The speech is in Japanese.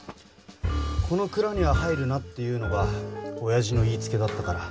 「この蔵には入るな」っていうのがおやじの言いつけだったから。